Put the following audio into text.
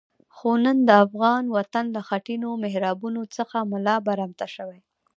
خو نن د افغان وطن له خټینو محرابونو څخه ملا برمته شوی.